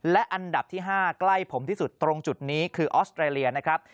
และอันดับที่๕ใกล้ผมที่สุดตรงจุดนี้คือออสเตรเลียนะครับ